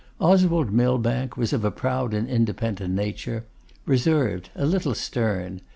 Oswald Millbank was of a proud and independent nature; reserved, a little stern.